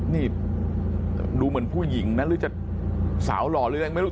นี่ดูเหมือนผู้หญิงนะหรือจะสาวหล่อหรือยังไม่รู้